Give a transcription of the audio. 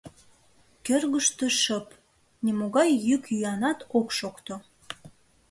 Кӧргыштӧ шып, нимогай йӱк-йӱанат ок шокто.